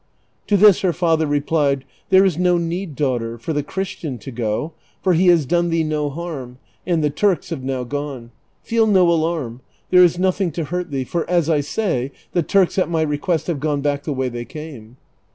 To this her father replied, "There is no need, daughter, for the Christian to go, for he has done thee no harm, and the Turks have now gone ; feel no alarm, there is nothing to hurt thee, for as I sa}', the Turks at my request have gone back the way they came."